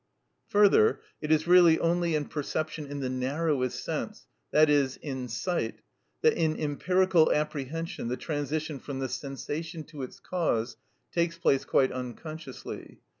Further, it is really only in perception in the narrowest sense, that is, in sight, that in empirical apprehension the transition from the sensation to its cause takes place quite unconsciously.